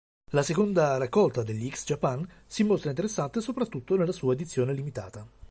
La seconda raccolta degli X Japan si mostra interessante soprattutto nella sua edizione limitata.